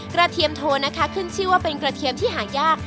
เทียมโทนะคะขึ้นชื่อว่าเป็นกระเทียมที่หายาก